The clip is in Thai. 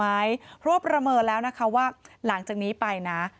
เพราะว่าประเมินแล้วนะคะว่าหลังจากนี้ไปนะ